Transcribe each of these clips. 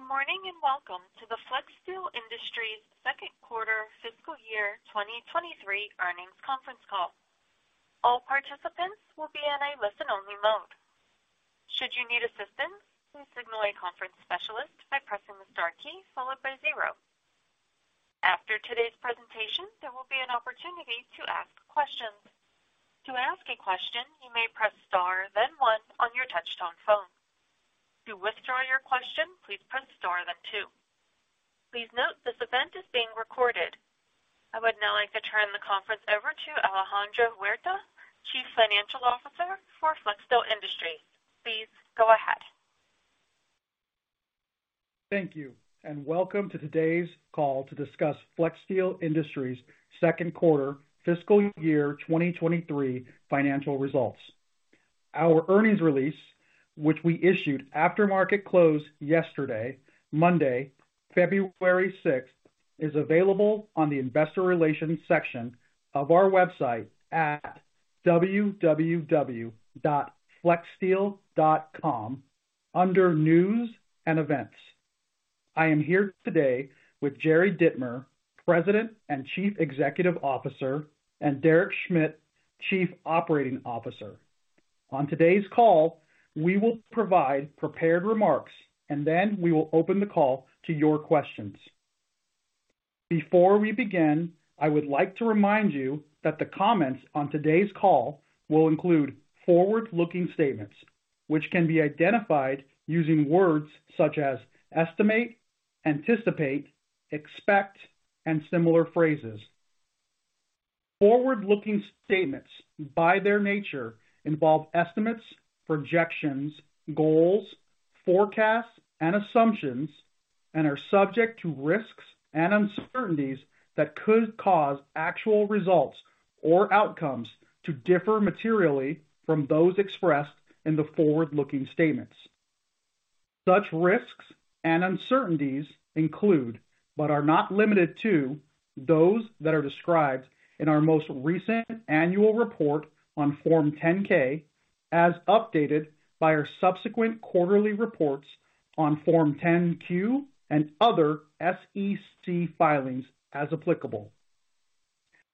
Good morning, and welcome to the Flexsteel Industries Second Quarter Fiscal Year 2023 Earnings Conference Call. All participants will be in a listen-only mode. Should you need assistance, please signal a conference specialist by pressing the star key followed by zero. After today's presentation, there will be an opportunity to ask questions. To ask a question, you may press star then one on your touchtone phone. To withdraw your question, please press star then two. Please note this event is being recorded. I would now like to turn the conference over to Alejandro Huerta, Chief Financial Officer for Flexsteel Industries. Please go ahead. Thank you, and welcome to today's call to discuss Flexsteel Industries second quarter fiscal year 2023 financial results. Our earnings release, which we issued after market close yesterday, Monday, February 6, is available on the Investor Relations section of our website at www.flexsteel.com under News and Events. I am here today with Jerry Dittmer, President and Chief Executive Officer, and Derek Schmidt, Chief Operating Officer. On today's call, we will provide prepared remarks, and then we will open the call to your questions. Before we begin, I would like to remind you that the comments on today's call will include forward-looking statements, which can be identified using words such as estimate, anticipate, expect, and similar phrases. Forward-looking statements, by their nature, involve estimates, projections, goals, forecasts, and assumptions and are subject to risks and uncertainties that could cause actual results or outcomes to differ materially from those expressed in the forward-looking statements. Such risks and uncertainties include, but are not limited to, those that are described in our most recent annual report on Form 10-K as updated by our subsequent quarterly reports on Form 10-Q and other SEC filings as applicable.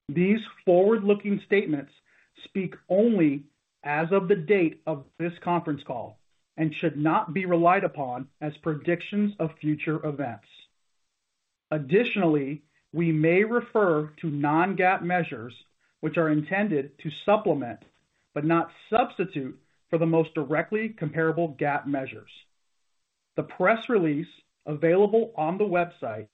These forward-looking statements speak only as of the date of this conference call and should not be relied upon as predictions of future events. Additionally, we may refer to non-GAAP measures, which are intended to supplement, but not substitute, for the most directly comparable GAAP measures. The press release available on the website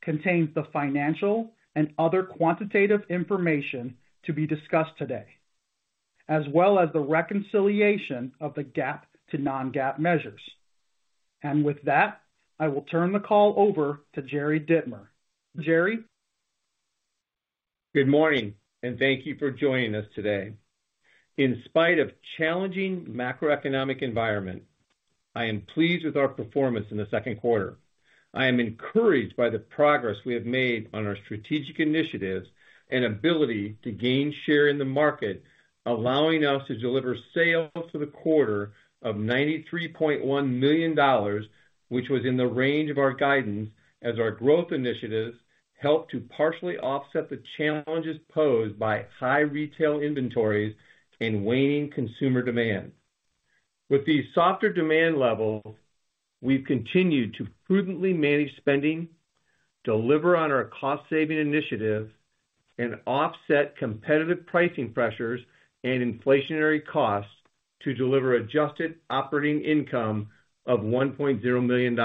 contains the financial and other quantitative information to be discussed today, as well as the reconciliation of the GAAP to non-GAAP measures. With that, I will turn the call over to Jerry Dittmer. Jerry? Good morning. Thank you for joining us today. In spite of challenging macroeconomic environment, I am pleased with our performance in the second quarter. I am encouraged by the progress we have made on our strategic initiatives and ability to gain share in the market, allowing us to deliver sales for the quarter of $93.1 million, which was in the range of our guidance as our growth initiatives helped to partially offset the challenges posed by high retail inventories and waning consumer demand. With these softer demand levels, we've continued to prudently manage spending, deliver on our cost-saving initiatives, and offset competitive pricing pressures and inflationary costs to deliver adjusted operating income of $1.0 million.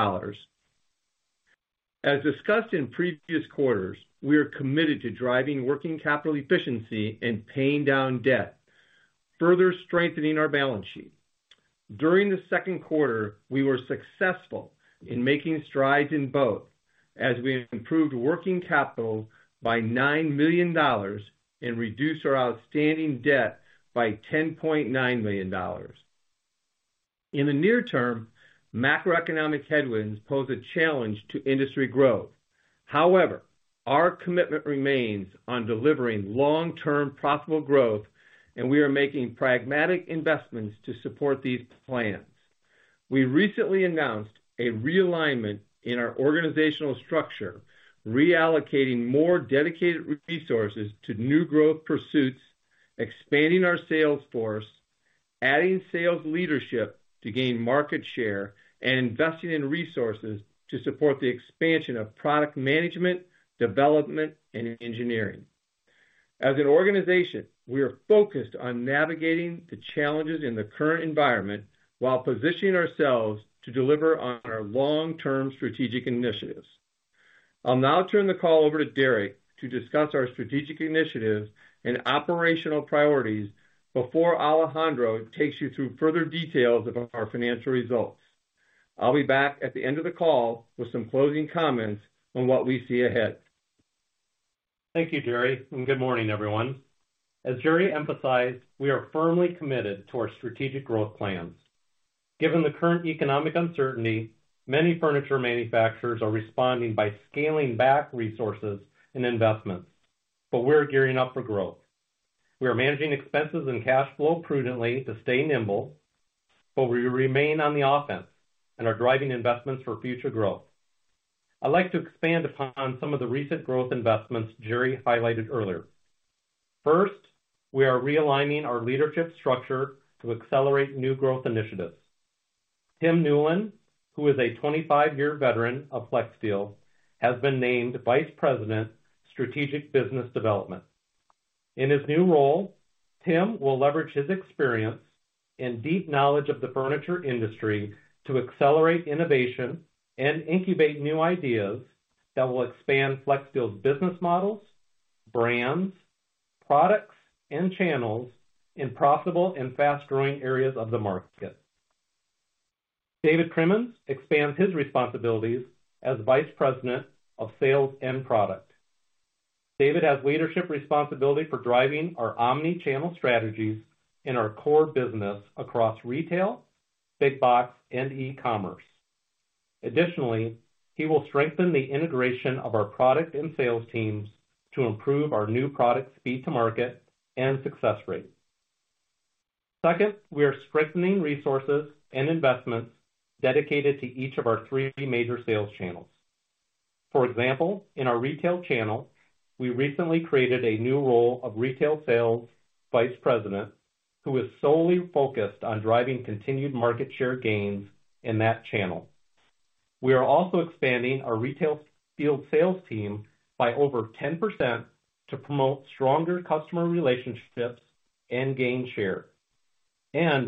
As discussed in previous quarters, we are committed to driving working capital efficiency and paying down debt, further strengthening our balance sheet. During the second quarter, we were successful in making strides in both as we improved working capital by $9 million and reduced our outstanding debt by $10.9 million. In the near term, macroeconomic headwinds pose a challenge to industry growth. However, our commitment remains on delivering long-term profitable growth, and we are making pragmatic investments to support these plans. We recently announced a realignment in our organizational structure, reallocating more dedicated resources to new growth pursuits, expanding our sales force, adding sales leadership to gain market share, and investing in resources to support the expansion of product management, development, and engineering. As an organization, we are focused on navigating the challenges in the current environment while positioning ourselves to deliver on our long-term strategic initiatives. I'll now turn the call over to Derek to discuss our strategic initiatives and operational priorities before Alejandro takes you through further details about our financial results. I'll be back at the end of the call with some closing comments on what we see ahead. Thank you, Jerry, and good morning, everyone. As Jerry emphasized, we are firmly committed to our strategic growth plans. Given the current economic uncertainty, many furniture manufacturers are responding by scaling back resources and investments, but we're gearing up for growth. We are managing expenses and cash flow prudently to stay nimble, but we remain on the offense and are driving investments for future growth. I'd like to expand upon some of the recent growth investments Jerry highlighted earlier. First, we are realigning our leadership structure to accelerate new growth initiatives. Tim Newlin, who is a 25-year veteran of Flexsteel, has been named Vice President, Strategic Business Development. In his new role, Tim will leverage his experience and deep knowledge of the furniture industry to accelerate innovation and incubate new ideas that will expand Flexsteel's business models, brands, products, and channels in profitable and fast-growing areas of the market. David Crimmins expands his responsibilities as Vice President of Sales and Product. David has leadership responsibility for driving our omnichannel strategies in our core business across retail, big box, and e-commerce. Additionally, he will strengthen the integration of our product and sales teams to improve our new product speed to market and success rate. Second, we are strengthening resources and investments dedicated to each of our three major sales channels. For example, in our retail channel, we recently created a new role of retail sales vice president, who is solely focused on driving continued market share gains in that channel. We are also expanding our retail field sales team by over 10% to promote stronger customer relationships and gain share.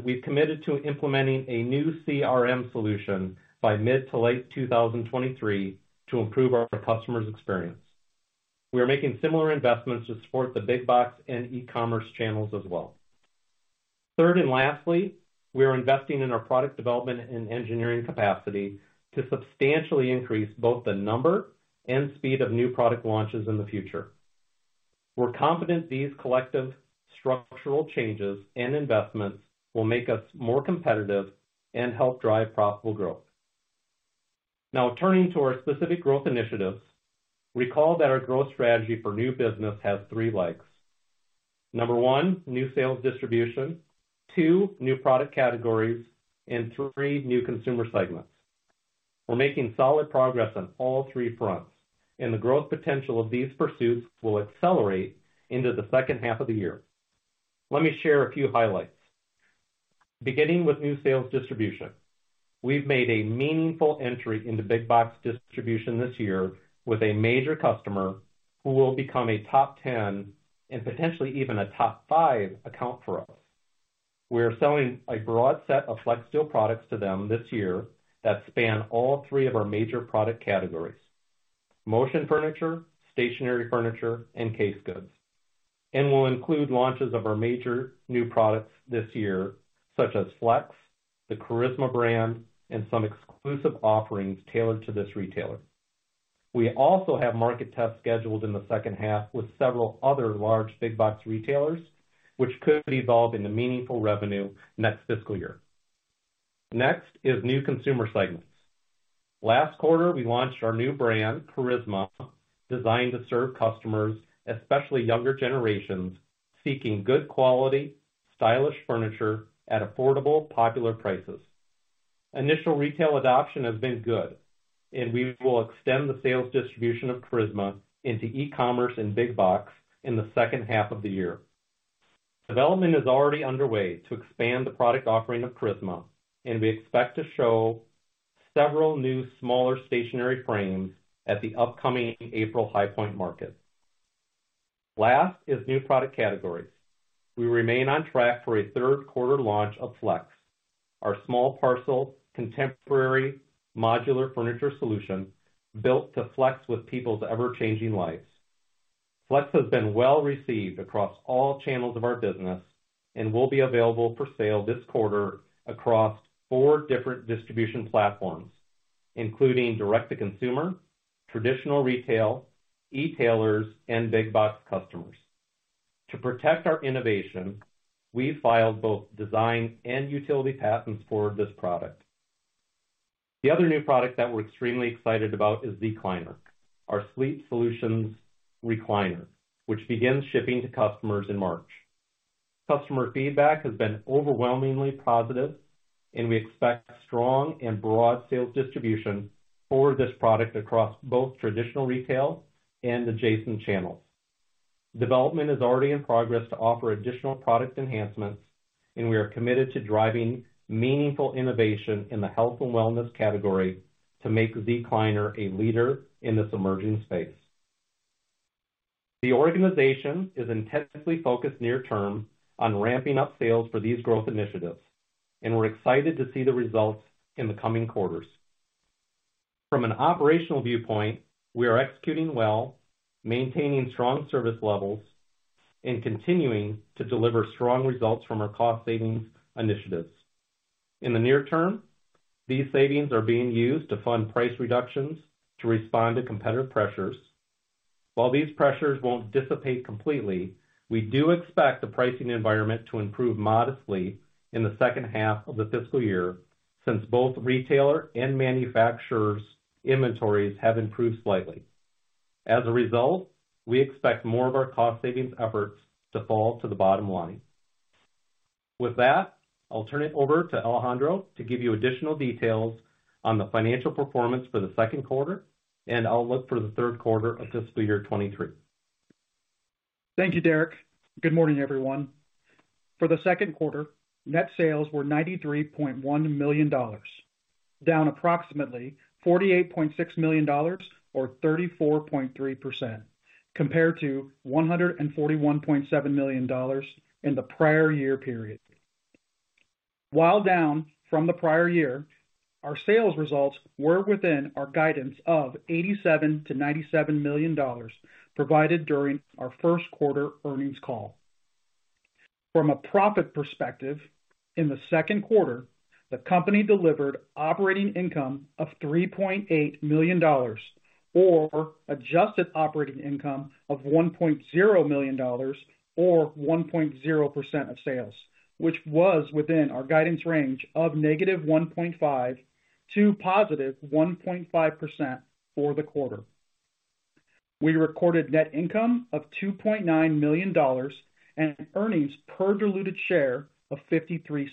We've committed to implementing a new CRM solution by mid to late 2023 to improve our customers' experience. We are making similar investments to support the big box and e-commerce channels as well. Third and lastly, we are investing in our product development and engineering capacity to substantially increase both the number and speed of new product launches in the future. We're confident these collective structural changes and investments will make us more competitive and help drive profitable growth. Turning to our specific growth initiatives, recall that our growth strategy for new business has three legs. Number one, New Sales Distribution, two, New Product Categories, and three, New Consumer Segments. We're making solid progress on all three fronts. The growth potential of these pursuits will accelerate into the second half of the year. Let me share a few highlights. Beginning with New Sales Distribution, we've made a meaningful entry into big box distribution this year with a major customer who will become a top 10 and potentially even a top five account for us. We are selling a broad set of Flexsteel products to them this year that span all three of our major product categories, motion furniture, stationary furniture, and case goods, and will include launches of our major new products this year, such as Flex, the Charisma brand, and some exclusive offerings tailored to this retailer. We also have market tests scheduled in the second half with several other large big box retailers, which could evolve into meaningful revenue next fiscal year. Next is New Consumer Segments. Last quarter, we launched our new brand, Charisma, designed to serve customers, especially younger generations, seeking good quality, stylish furniture at affordable, popular prices. Initial retail adoption has been good, and we will extend the sales distribution of Charisma into e-commerce and big box in the second half of the year. Development is already underway to expand the product offering of Charisma, and we expect to show several new smaller stationary frames at the upcoming April High Point Market. Last is new product categories. We remain on track for a third quarter launch of Flex, our small parcel, contemporary, modular furniture solution built to flex with people's ever-changing lives. Flex has been well received across all channels of our business and will be available for sale this quarter across four different distribution platforms, including direct-to-consumer, traditional retail, e-tailers, and big box customers. To protect our innovation, we filed both design and utility patents for this product. The other new product that we're extremely excited about is Zecliner, our sleep solutions recliner, which begins shipping to customers in March. Customer feedback has been overwhelmingly positive, and we expect strong and broad sales distribution for this product across both traditional retail and adjacent channels. Development is already in progress to offer additional product enhancements, and we are committed to driving meaningful innovation in the health and wellness category to make Zecliner a leader in this emerging space. The organization is intensely focused near term on ramping up sales for these growth initiatives, and we're excited to see the results in the coming quarters. From an operational viewpoint, we are executing well, maintaining strong service levels and continuing to deliver strong results from our cost savings initiatives. In the near term, these savings are being used to fund price reductions to respond to competitive pressures. While these pressures won't dissipate completely, we do expect the pricing environment to improve modestly in the second half of the fiscal year. Since both retailer and manufacturers inventories have improved slightly. As a result, we expect more of our cost savings efforts to fall to the bottom line. With that, I'll turn it over to Alejandro to give you additional details on the financial performance for the second quarter and outlook for the third quarter of fiscal year 2023. Thank you, Derek. Good morning, everyone. For the second quarter, net sales were $93.1 million, down approximately $48.6 million or 34.3% compared to $141.7 million in the prior year period. While down from the prior year, our sales results were within our guidance of $87 million-$97 million provided during our first quarter earnings call. From a profit perspective, in the second quarter, the company delivered operating income of $3.8 million or adjusted operating income of $1.0 million or 1.0% of sales, which was within our guidance range of -1.5% to +1.5% for the quarter. We recorded net income of $2.9 million and earnings per diluted share of $0.53.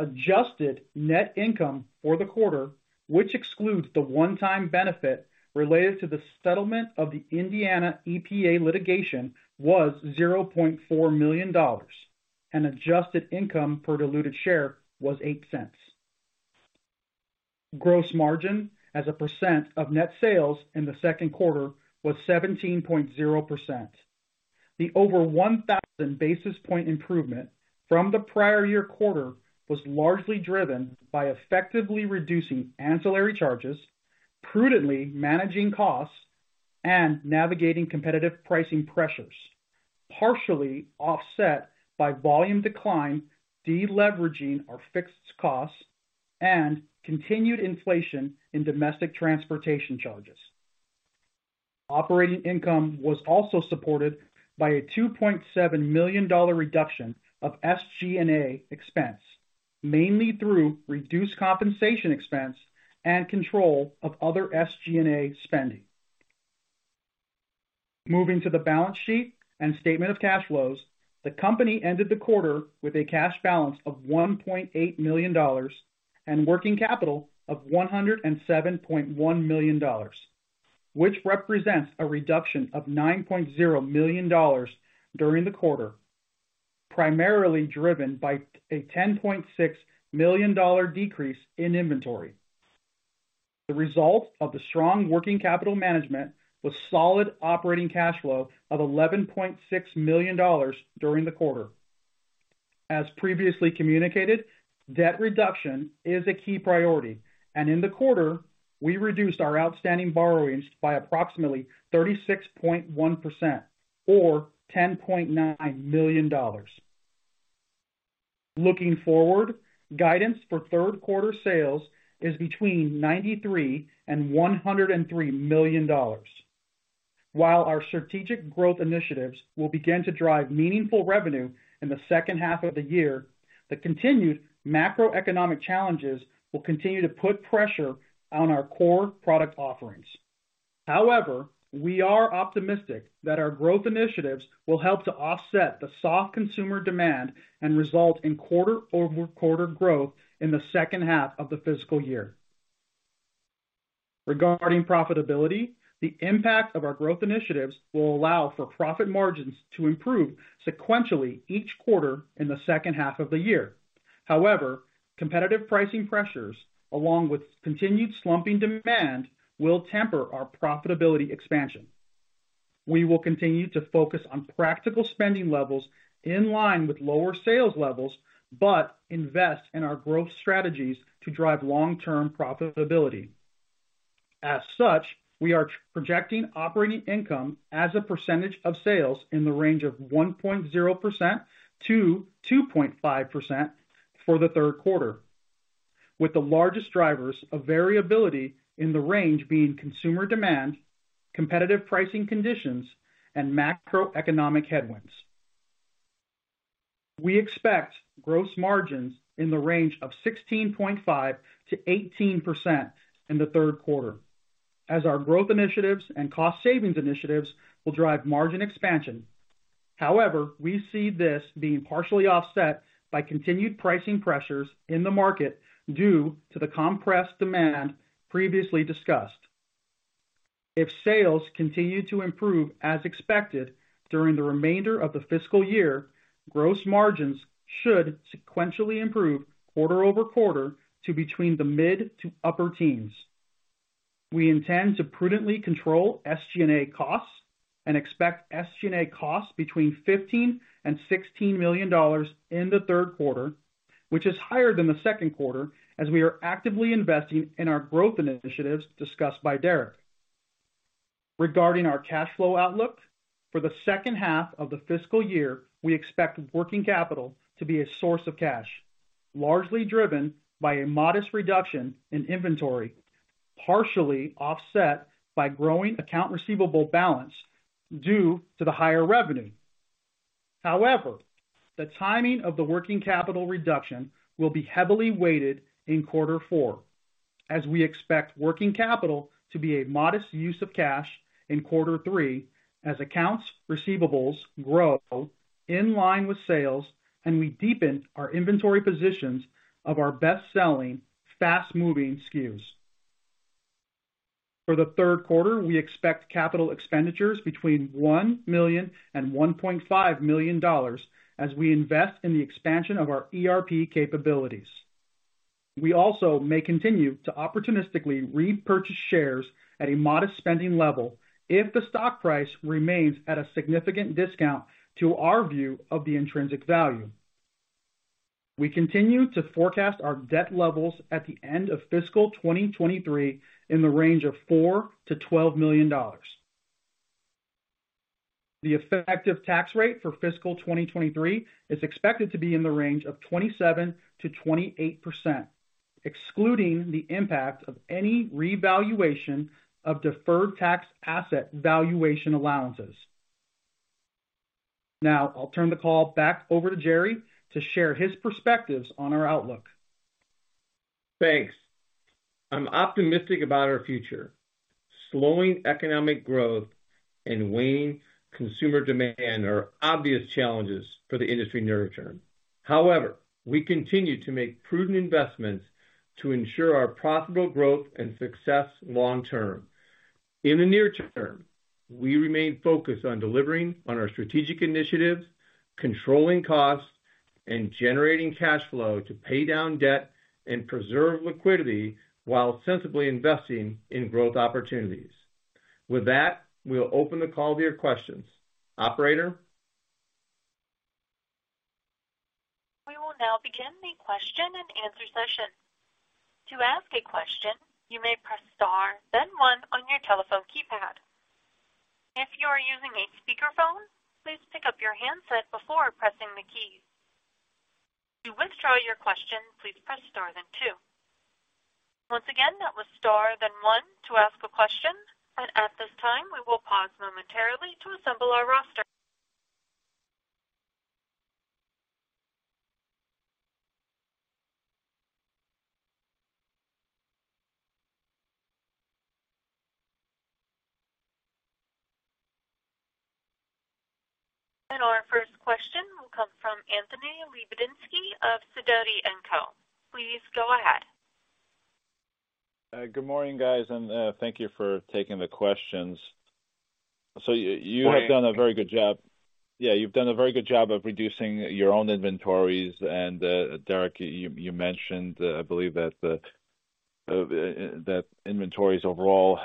Adjusted net income for the quarter, which excludes the one-time benefit related to the settlement of the Indiana EPA litigation, was $0.4 million, and adjusted income per diluted share was $0.08. Gross margin as a percent of net sales in the second quarter was 17.0%. The over 1,000 basis point improvement from the prior year quarter was largely driven by effectively reducing ancillary charges, prudently managing costs, and navigating competitive pricing pressures, partially offset by volume decline, deleveraging our fixed costs, and continued inflation in domestic transportation charges. Operating income was also supported by a $2.7 million reduction of SG&A expense, mainly through reduced compensation expense and control of other SG&A spending. Moving to the balance sheet and statement of cash flows. The company ended the quarter with a cash balance of $1.8 million and working capital of $107.1 million, which represents a reduction of $9.0 million during the quarter, primarily driven by a $10.6 million decrease in inventory. The result of the strong working capital management was solid operating cash flow of $11.6 million during the quarter. As previously communicated, debt reduction is a key priority, and in the quarter, we reduced our outstanding borrowings by approximately 36.1% or $10.9 million. Looking forward, guidance for third quarter sales is between $93 million and $103 million. While our strategic growth initiatives will begin to drive meaningful revenue in the second half of the year, the continued macroeconomic challenges will continue to put pressure on our core product offerings. We are optimistic that our growth initiatives will help to offset the soft consumer demand and result in quarter-over-quarter growth in the second half of the fiscal year. Regarding profitability, the impact of our growth initiatives will allow for profit margins to improve sequentially each quarter in the second half of the year. Competitive pricing pressures, along with continued slumping demand, will temper our profitability expansion. We will continue to focus on practical spending levels in line with lower sales levels, but invest in our growth strategies to drive long-term profitability. As such, we are projecting operating income as a percentage of sales in the range of 1.0%-2.5% for the third quarter, with the largest drivers of variability in the range being consumer demand, competitive pricing conditions, and macroeconomic headwinds. We expect gross margins in the range of 16.5%-18% in the third quarter as our growth initiatives and cost savings initiatives will drive margin expansion. We see this being partially offset by continued pricing pressures in the market due to the compressed demand previously discussed. If sales continue to improve as expected during the remainder of the fiscal year, gross margins should sequentially improve quarter-over-quarter to between the mid to upper teens. We intend to prudently control SG&A costs and expect SG&A costs between $15 million and $16 million in the third quarter, which is higher than the second quarter as we are actively investing in our growth initiatives discussed by Derek. Regarding our cash flow outlook, for the second half of the fiscal year, we expect working capital to be a source of cash, largely driven by a modest reduction in inventory, partially offset by growing account receivable balance due to the higher revenue. However, the timing of the working capital reduction will be heavily weighted in quarter four, as we expect working capital to be a modest use of cash in quarter three as accounts receivables grow in line with sales and we deepen our inventory positions of our best-selling, fast-moving SKUs. For the third quarter, we expect capital expenditures between $1 million and $1.5 million as we invest in the expansion of our ERP capabilities. We also may continue to opportunistically repurchase shares at a modest spending level if the stock price remains at a significant discount to our view of the intrinsic value. We continue to forecast our debt levels at the end of fiscal 2023 in the range of $4 million-$12 million. The effective tax rate for fiscal 2023 is expected to be in the range of 27%-28%, excluding the impact of any revaluation of deferred tax asset valuation allowances. Now I'll turn the call back over to Jerry to share his perspectives on our outlook. Thanks. I'm optimistic about our future. Slowing economic growth and waning consumer demand are obvious challenges for the industry near-term. We continue to make prudent investments to ensure our profitable growth and success long term. In the near term, we remain focused on delivering on our strategic initiatives, controlling costs, and generating cash flow to pay down debt and preserve liquidity while sensibly investing in growth opportunities. We'll open the call to your questions. Operator? We will now begin the question and answer session. To ask a question, you may press star, then one on your telephone keypad. If you are using a speakerphone, please pick up your handset before pressing the keys. To withdraw your question, please press star then two. Once again, that was star then one to ask a question. At this time, we will pause momentarily to assemble our roster. Our first question will come from Anthony Lebiedzinski of Sidoti & Co. Please go ahead. Good morning, guys, and thank you for taking the questions. You have done a very good job. Yeah, you've done a very good job of reducing your own inventories. And, Derek, you mentioned, I believe that inventories overall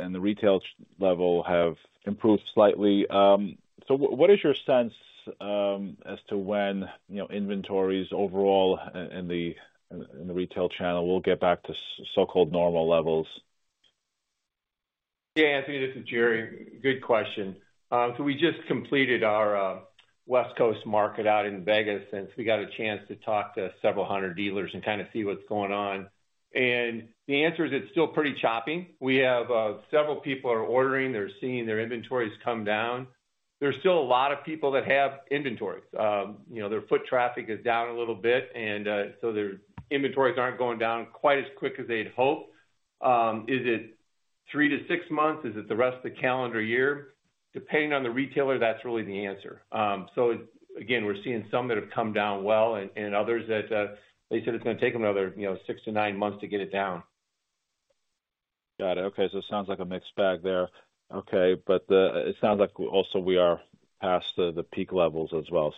and the retail level have improved slightly. What is your sense as to when, you know, inventories overall in the retail channel will get back to so-called normal levels? Yeah. Anthony, this is Jerry. Good question. We just completed our West Coast market out in Vegas. We got a chance to talk to several 100 dealers and kinda see what's going on. The answer is it's still pretty choppy. We have several people are ordering. They're seeing their inventories come down. There's still a lot of people that have inventory. You know, their foot traffic is down a little bit. Their inventories aren't going down quite as quick as they'd hope. Is it three to six months? Is it the rest of the calendar year? Depending on the retailer, that's really the answer. Again, we're seeing some that have come down well and others that, they said it's gonna take them another, you know, six to nine months to get it down. Got it. Okay. It sounds like a mixed bag there. Okay. It sounds like also we are past the peak levels as well.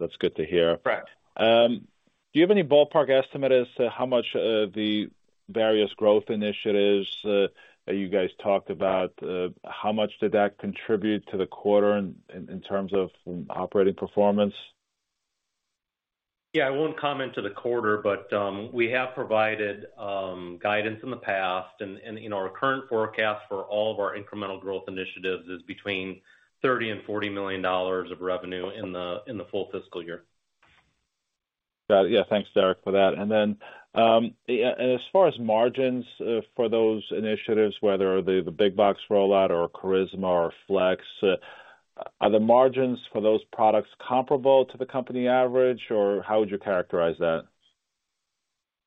That's good to hear. Right. Do you have any ballpark estimate as to how much the various growth initiatives that you guys talked about, how much did that contribute to the quarter in terms of operating performance? Yeah, I won't comment to the quarter, but we have provided guidance in the past. You know, our current forecast for all of our incremental growth initiatives is between $30 million and $40 million of revenue in the full fiscal year. Got it. Yeah. Thanks, Derek, for that. As far as margins, for those initiatives, whether the Big Box rollout or Charisma or Flex, are the margins for those products comparable to the company average, or how would you characterize that?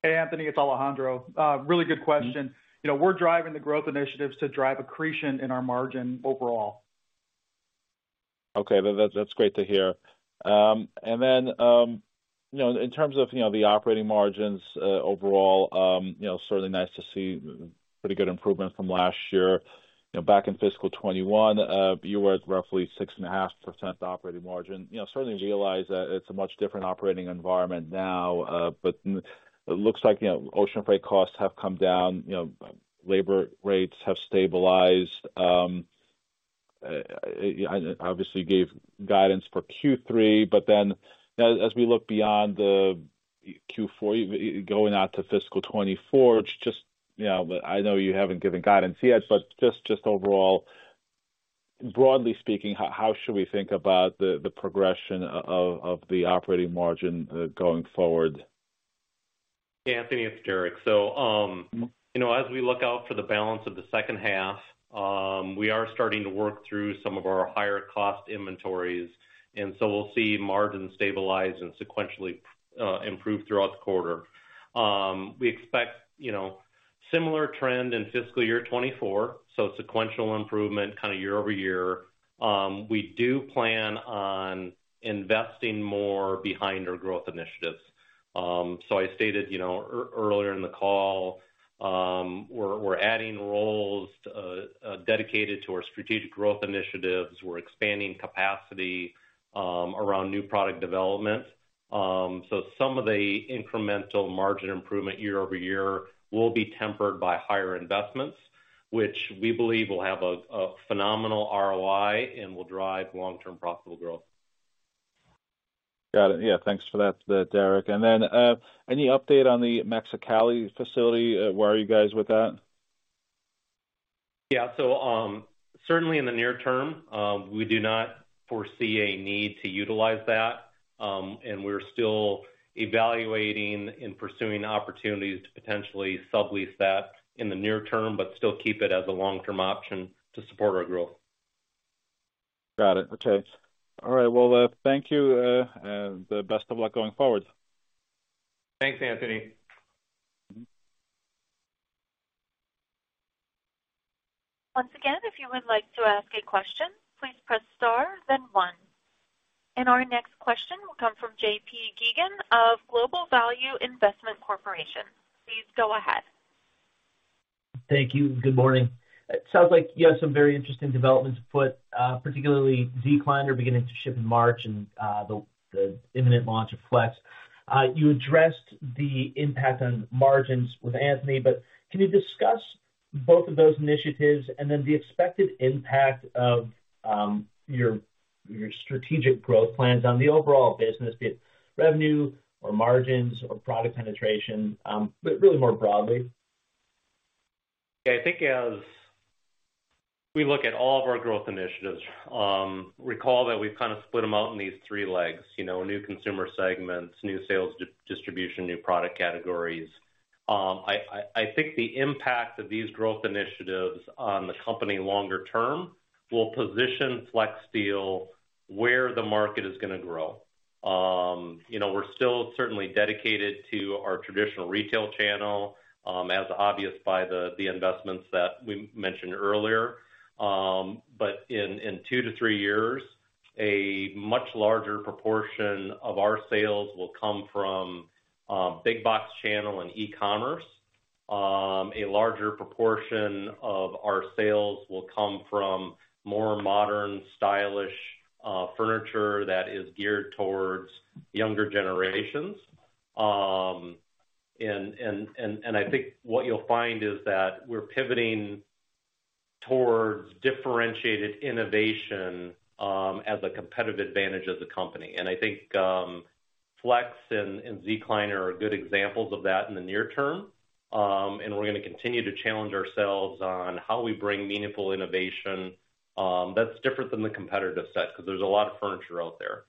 Hey, Anthony, it's Alejandro. Really good question. You know, we're driving the growth initiatives to drive accretion in our margin overall. Okay. That's great to hear. You know, in terms of, you know, the operating margins, overall, you know, certainly nice to see pretty good improvement from last year. You know, back in fiscal 2021, you were at roughly 6.5% operating margin. You know, certainly realize that it's a much different operating environment now, it looks like, you know, ocean freight costs have come down, you know, labor rates have stabilized. You obviously gave guidance for Q3, as we look beyond the Q4, going out to fiscal 2024, just, you know, I know you haven't given guidance yet, but overall, broadly speaking, how should we think about the progression of the operating margin, going forward? Anthony, it's Derek. You know, as we look out for the balance of the second half, we are starting to work through some of our higher cost inventories, and so we'll see margins stabilize and sequentially improve throughout the quarter. We expect, you know, similar trend in fiscal year 2024, sequential improvement kind of year-over-year. We do plan on investing more behind our growth initiatives. I stated, you know, earlier in the call, we're adding roles dedicated to our strategic growth initiatives. We're expanding capacity around new product development. Some of the incremental margin improvement year-over-year will be tempered by higher investments, which we believe will have a phenomenal ROI and will drive long-term profitable growth. Got it. Yeah, thanks for that, Derek. Any update on the Mexicali facility? Where are you guys with that? Yeah. certainly in the near term, we do not foresee a need to utilize that. We're still evaluating and pursuing opportunities to potentially sublease that in the near term, but still keep it as a long-term option to support our growth. Got it. Okay. All right. Well, thank you, and the best of luck going forward. Thanks, Anthony. Mm-hmm. Once again, if you would like to ask a question, please press star, then one. Our next question will come from JP Geygan of Global Value Investment Corporation. Please go ahead. Thank you. Good morning. It sounds like you have some very interesting developments afoot, particularly Zecliner beginning to ship in March and the imminent launch of Flex. You addressed the impact on margins with Anthony, but can you discuss both of those initiatives and then the expected impact of your strategic growth plans on the overall business, be it revenue or margins or product penetration, but really more broadly? Yeah. I think as we look at all of our growth initiatives, recall that we've kind of split them out in these three legs, you know, New Consumer Segments, New Sales Distribution, New Product Categories. I think the impact of these growth initiatives on the company longer term will position Flexsteel where the market is gonna grow. You know, we're still certainly dedicated to our traditional retail channel, as obvious by the investments that we mentioned earlier. But in two to three years, a much larger proportion of our sales will come from Big Box channel and e-commerce. A larger proportion of our sales will come from more modern, stylish furniture that is geared towards younger generations. I think what you'll find is that we're pivoting towards differentiated innovation, as a competitive advantage of the company. I think Flex and Zecliner are good examples of that in the near term. We're gonna continue to challenge ourselves on how we bring meaningful innovation, that's different than the competitive set, 'cause there's a lot of furniture out there.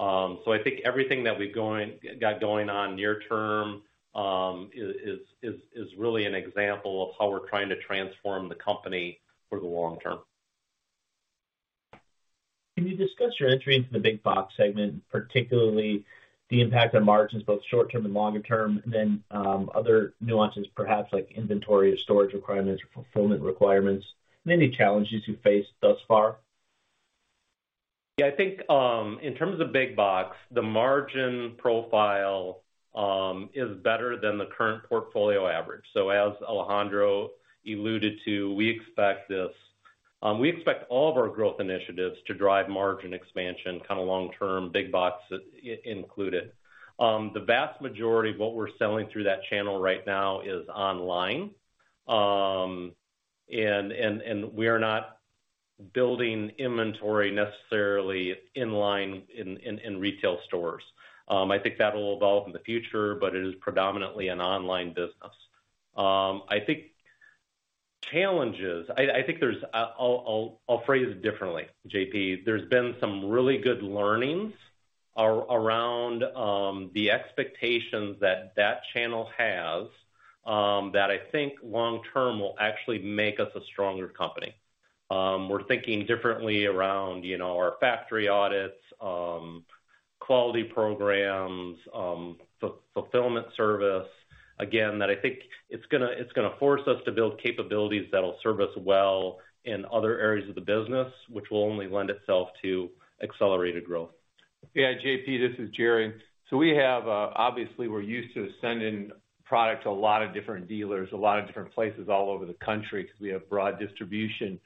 I think everything that got going on near term, is really an example of how we're trying to transform the company for the long term. Can you discuss your entry into the Big Box segment, particularly the impact on margins, both short term and longer term, and then other nuances, perhaps like inventory or storage requirements or fulfillment requirements, and any challenges you faced thus far? Yeah. I think, in terms of Big Box, the margin profile, is better than the current portfolio average. As Alejandro alluded to, we expect all of our growth initiatives to drive margin expansion kind of long term, Big Box included. The vast majority of what we're selling through that channel right now is online. We are not building inventory necessarily in line in retail stores. I think that'll evolve in the future, but it is predominantly an online business. I think there's, I'll phrase it differently, JP. There's been some really good learnings around the expectations that that channel has, that I think long term will actually make us a stronger company. We're thinking differently around, you know, our factory audits, quality programs, fulfillment service. Again, that I think it's gonna force us to build capabilities that'll serve us well in other areas of the business, which will only lend itself to accelerated growth. Yeah. JP, this is Jerry. We have obviously we're used to sending product to a lot of different dealers, a lot of different places all over the country because we have broad distribution.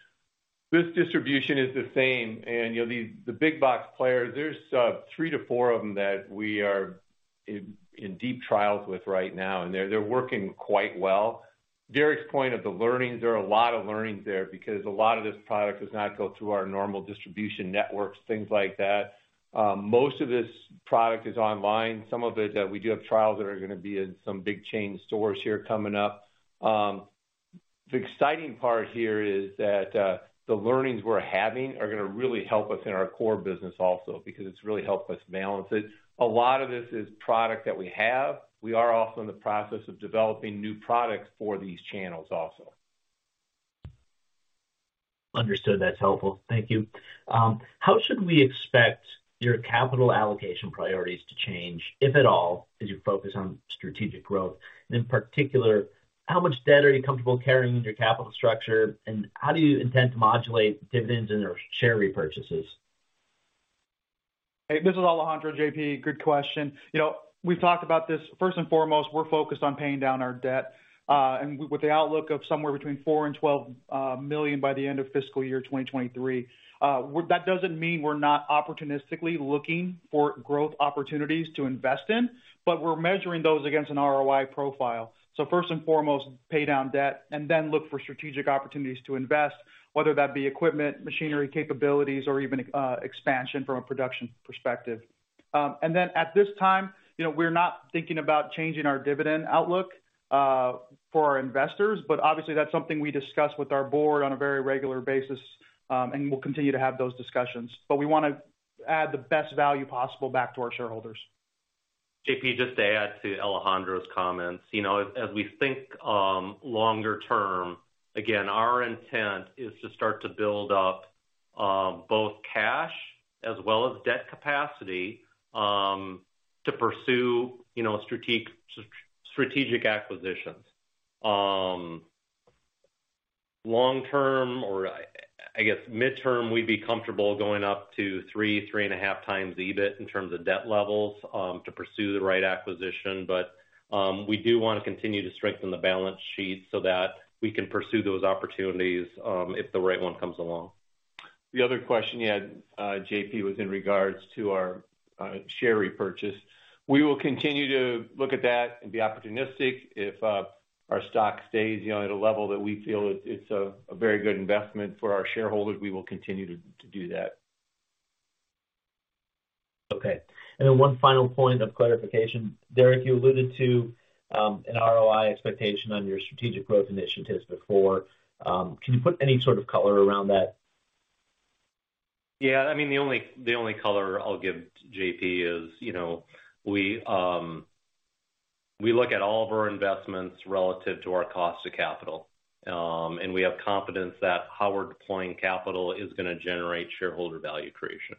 This distribution is the same. You know, the Big Box players, there's three to four of them that we are in deep trials with right now, and they're working quite well. Derek's point of the learnings, there are a lot of learnings there because a lot of this product does not go through our normal distribution networks, things like that. Most of this product is online. Some of it, we do have trials that are gonna be in some big chain stores here coming up. The exciting part here is that the learnings we're having are gonna really help us in our core business also because it's really helped us balance it. A lot of this is product that we have. We are also in the process of developing new products for these channels also. Understood. That's helpful. Thank you. How should we expect your capital allocation priorities to change, if at all, as you focus on strategic growth? In particular, how much debt are you comfortable carrying in your capital structure, and how do you intend to modulate dividends and/or share repurchases? Hey, this is Alejandro, JP. Good question. You know, we've talked about this. First and foremost, we're focused on paying down our debt, with the outlook of somewhere between $4 million and $12 million by the end of fiscal year 2023. That doesn't mean we're not opportunistically looking for growth opportunities to invest in. We're measuring those against an ROI profile. First and foremost, pay down debt and then look for strategic opportunities to invest, whether that be equipment, machinery capabilities, or even expansion from a production perspective. At this time, you know, we're not thinking about changing our dividend outlook for our investors. Obviously that's something we discuss with our board on a very regular basis. We'll continue to have those discussions. We wanna add the best value possible back to our shareholders. JP, just to add to Alejandro's comments. You know, as we think, longer term, again, our intent is to start to build up, both cash as well as debt capacity, to pursue, you know, strategic acquisitions. long term or I guess midterm, we'd be comfortable going up to 3.5x EBIT in terms of debt levels, to pursue the right acquisition. We do wanna continue to strengthen the balance sheet so that we can pursue those opportunities, if the right one comes along. The other question you had, JP, was in regards to our share repurchase. We will continue to look at that and be opportunistic. If our stock stays, you know, at a level that we feel it's a very good investment for our shareholders, we will continue to do that. Okay. One final point of clarification. Derek, you alluded to an ROI expectation on your strategic growth initiatives before. Can you put any sort of color around that? I mean, the only color I'll give JP is, you know, we look at all of our investments relative to our cost of capital. We have confidence that how we're deploying capital is gonna generate shareholder value creation.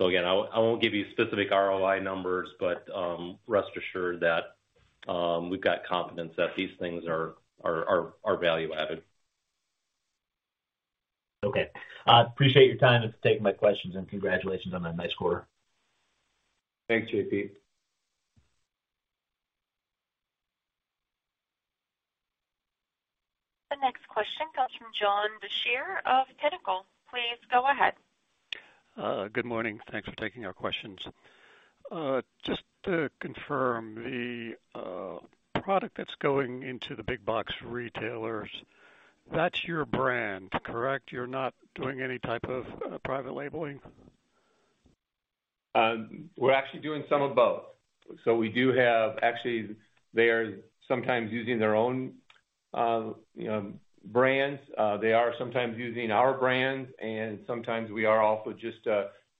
Again, I won't give you specific ROI numbers, but rest assured that we've got confidence that these things are value added. Okay. Appreciate your time and for taking my questions, and congratulations on that nice quarter. Thanks, JP. The next question comes from John Deysher of Pinnacle. Please go ahead. Good morning. Thanks for taking our questions. Just to confirm the product that's going into the Big Box retailers, that's your brand, correct? You're not doing any type of private labeling? We're actually doing some of both. Actually, they are sometimes using their own, you know, brands, they are sometimes using our brands, and sometimes we are also just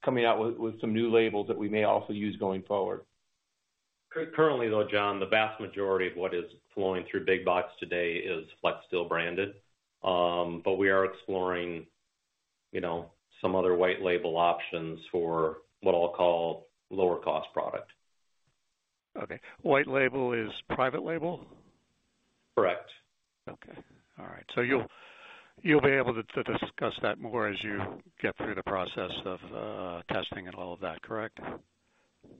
coming out with some new labels that we may also use going forward. Currently, though, John, the vast majority of what is flowing through Big Box today is Flexsteel branded. We are exploring, you know, some other white label options for what I'll call lower cost product. Okay. White label is private label? Correct. Okay. All right. You'll be able to discuss that more as you get through the process of testing and all of that, correct?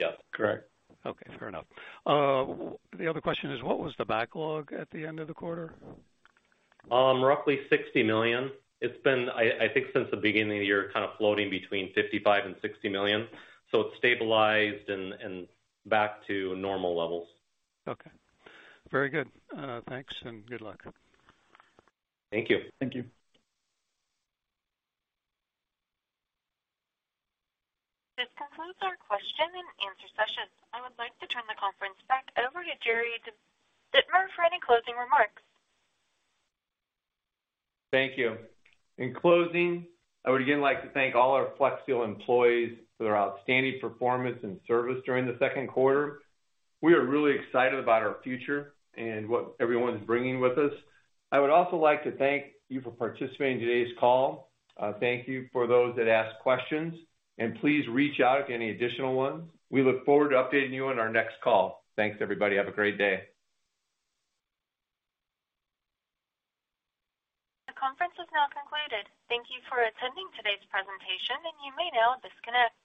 Yeah. Correct. Okay. Fair enough. The other question is, what was the backlog at the end of the quarter? Roughly $60 million. It's been, I think since the beginning of the year, kind of floating between $55 million and $60 million. It's stabilized and back to normal levels. Okay. Very good. Thanks and good luck. Thank you. Thank you. This concludes our question and answer session. I would like to turn the conference back over to Jerry Dittmer for any closing remarks. Thank you. In closing, I would again like to thank all our Flexsteel employees for their outstanding performance and service during the second quarter. We are really excited about our future and what everyone's bringing with us. I would also like to thank you for participating in today's call. Thank you for those that asked questions, and please reach out with any additional ones. We look forward to updating you on our next call. Thanks, everybody. Have a great day. The conference is now concluded. Thank you for attending today's presentation. You may now disconnect.